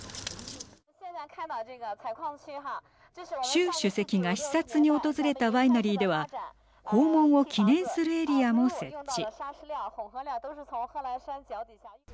習主席が視察に訪れたワイナリーでは訪問を記念するエリアも設置。